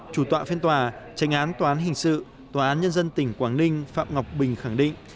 chủ tọa phiên tòa tranh án toán hình sự tòa án nhân dân tỉnh quảng ninh phạm ngọc bình khẳng định